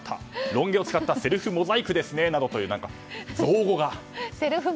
ロン毛を使ったセルフモザイクですねという造語が。